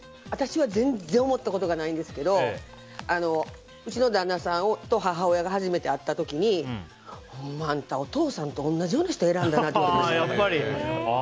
私は全然思ったことがないんですけどうちの旦那さんと母親が初めて会った時にほんま、あんたお父さんと同じような人選んだなって言われました。